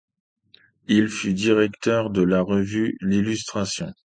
Il fut directeur de la revue l'Illustration.